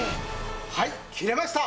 はい切れました。